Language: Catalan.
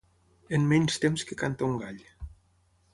En menys temps que canta un gall.